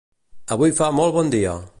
Avui fa molt bon dia!